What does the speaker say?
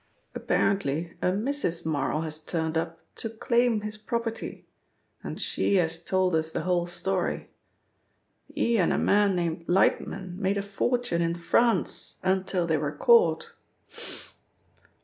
Apparently a Mrs. Marl has turned up to claim his property, and she has told the whole story. He and a man named Lightman made a fortune in France until they were caught.